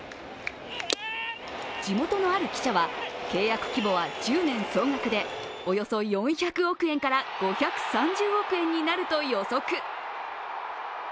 地元のある記者は、契約規模は１０年総額でおよそ４００億円から５３０億円になると予測。